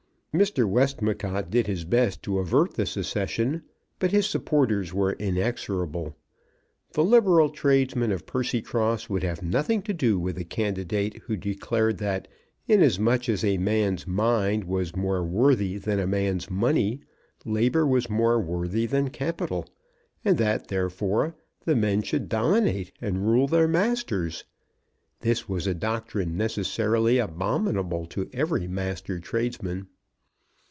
Mr. Westmacott did his best to avert the secession; but his supporters were inexorable. The liberal tradesmen of Percycross would have nothing to do with a candidate who declared that inasmuch as a man's mind was more worthy than a man's money, labour was more worthy than capital, and that therefore the men should dominate and rule their masters. That was a doctrine necessarily abominable to every master tradesman.